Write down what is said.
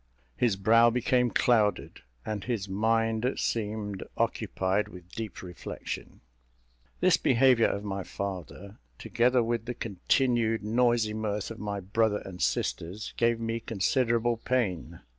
His brow became clouded and his mind seemed occupied with deep reflection. This behaviour of my father, together with the continued noisy mirth of my brother and sisters, gave me considerable pain.